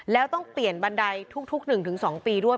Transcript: แล้วต้องเปลี่ยนบันไดทุกหนึ่งถึงสองปีด้วย